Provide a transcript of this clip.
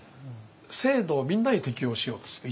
制度をみんなに適用しようとする。